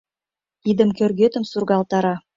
Идым кӧргетым сургалтара;